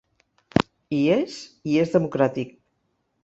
Hi és i és democràtic.